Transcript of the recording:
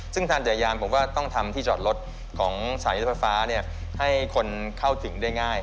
ซึ่งทานจักรยานผมว่าต้องทำที่จอดรถของสายไฟฟ้าให้คนเข้าถึงได้ง่าย